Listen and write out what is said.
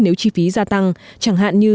nếu chi phí gia tăng chẳng hạn như